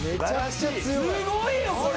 すごいよこれ。